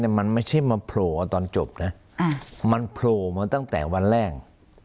มันไม่ใช่มาโผล่เอาตอนจบนะมันโผล่มาตั้งแต่วันแรก